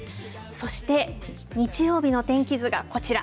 そして、日曜日の天気図がこちら。